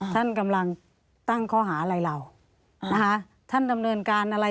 ท่านกำลังตั้งข้อหาอะไรเรานะคะท่านดำเนินการอะไร